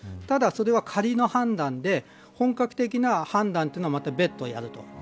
ただそれは、仮の判断で本格的な判断は、また別途やる。